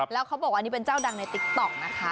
แล้วเขาบอกว่าใช้เจ้าดังในเติ๊กต๊อกนะคะ